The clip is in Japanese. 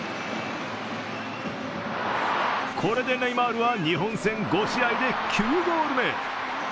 これでネイマールは日本戦５試合で９ゴール目。